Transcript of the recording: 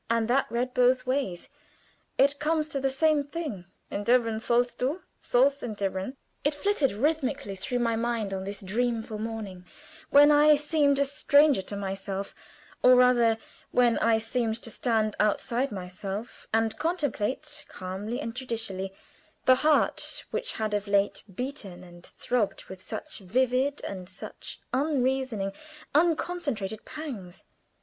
And that read both ways, it comes to the same thing. "Entbehren sollst du; sollst entbehren." It flitted rhythmically through my mind on this dreamful morning, when I seemed a stranger to myself; or rather, when I seemed to stand outside myself, and contemplate, calmly and judicially, the heart which had of late beaten and throbbed with such vivid, and such unreasoning, unconnected pangs.